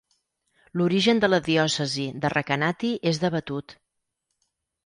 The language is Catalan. L'origen de la diòcesi de Recanati és debatut.